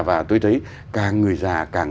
và tôi thấy càng người già càng